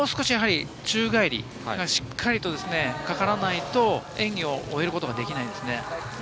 宙返りがしっかりかからないと演技を終えることができないんですね。